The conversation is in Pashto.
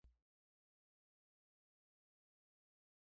بيا ملا صاحب راته قران شريف شروع کړ.